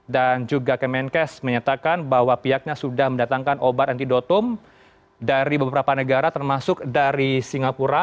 dan juga kemenkes menyatakan bahwa pihaknya sudah mendatangkan obat antidotum dari beberapa negara termasuk dari singapura